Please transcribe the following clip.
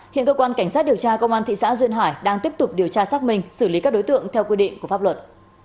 hiện công an tp sóc trăng đang tiếp tục điều tra xác minh xử lý các đối tượng theo quy định của pháp luật